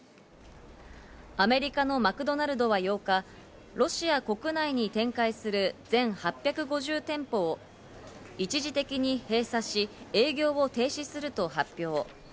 アメリカのマクドナルドは８日、ロシア国内に展開する全８５０店舗を一時的に閉鎖し、営業を停止すると発表。